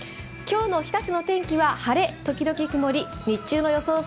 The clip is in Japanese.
今日の日田市の天気は晴れ時々曇り、日中の予想